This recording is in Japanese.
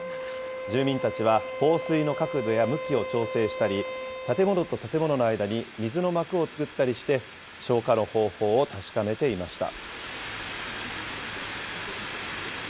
住民たちは放水の角度や向きを調整したり、建物と建物の間に水の幕を作ったりして、消火の方法を確かめていました。